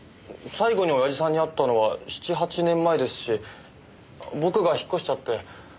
最後にオヤジさんに会ったのは７８年前ですし僕が引っ越しちゃって。